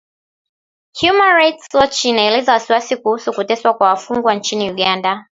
Human Rights Watch inaelezea wasiwasi kuhusu kuteswa kwa wafungwa nchini Uganda